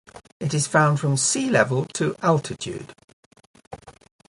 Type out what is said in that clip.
It is found from sea level to altitude.